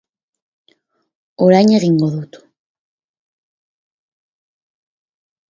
Orain egingo dut.